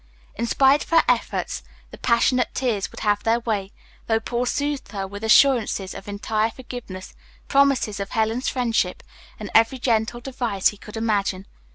In spite of her efforts the passionate tears would have their way, though Paul soothed her with assurances of entire forgiveness, promises of Helen's friendship, and every gentle device he could imagine.